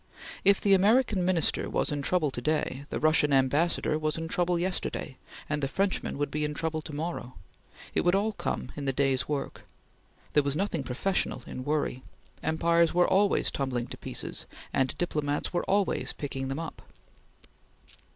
If the American Minister was in trouble to day, the Russian Ambassador was in trouble yesterday, and the Frenchman would be in trouble to morrow. It would all come in the day's work. There was nothing professional in worry. Empires were always tumbling to pieces and diplomats were always picking them up.